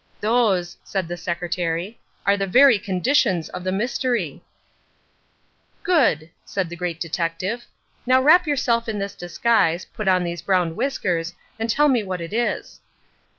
"Those," said the secretary, "are the very conditions of the mystery." "Good," said the Great Detective, "now wrap yourself in this disguise, put on these brown whiskers and tell me what it is."